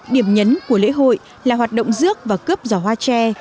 điểm nhấn của lễ hội là hoạt động rước và cướp giỏ hoa tre